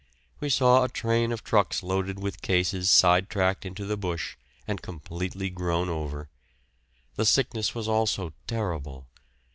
We saw a train of trucks loaded with cases side tracked into the bush and completely grown over. The sickness was also terrible.